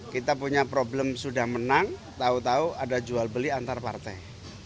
kita punya problem sudah menang tahu tahu ada jual beli antar partai